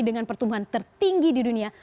dengan pertumbuhan tertinggi di dunia